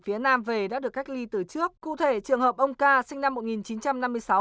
phía nam về đã được cách ly từ trước cụ thể trường hợp ông ca sinh năm một nghìn chín trăm năm mươi sáu